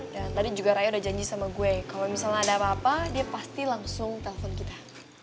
dan tadi juga raya udah janji sama gue kalau misalnya ada apa apa dia pasti langsung telepon kita